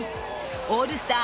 オールスター